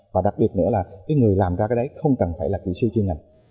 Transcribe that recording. và đặc biệt nữa là cái người làm ra cái đấy không cần phải là kỹ sư chuyên ngành